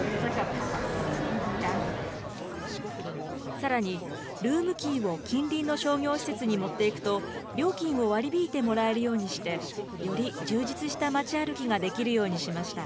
さらに、ルームキーを近隣の商業施設に持っていくと、料金を割り引いてもらえるようにして、より充実した街歩きができるようにしました。